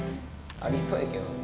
ありそうやけどね。